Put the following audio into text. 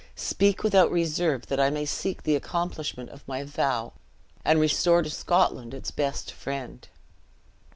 Speak without reserve, that I may seek the accomplishment of my vow, and restore to Scotland its best friend!"